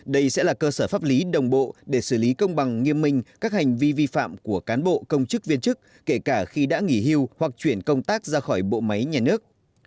đây sẽ là cơ sở pháp lý đồng bộ để xử lý công bằng nghiêm minh các hành vi vi phạm của cán bộ công chức viên chức kể cả khi đã nghỉ hưu hoặc chuyển công tác ra khỏi bộ máy nhà nước